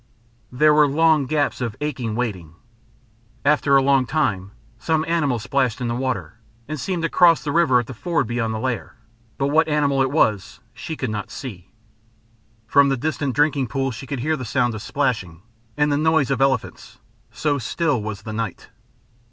There were long gaps of aching waiting. After a long time some animal splashed in the water, and seemed to cross the river at the ford beyond the lair, but what animal it was she could not see. From the distant drinking pools she could hear the sound of splashing, and the noise of elephants so still was the night.